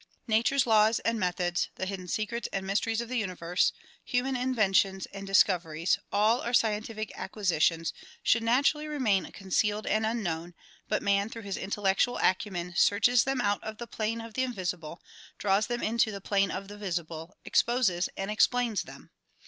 Nature's laws and methods, the hidden secrets and mysteries of the universe, human inventions and dis coveries, all our scientific acquisitions should naturally remain concealed and unknown, but man through his intellectual acumen searches them out of the plane of the invisible, draws them into the plane of the visible, exposes and explains them.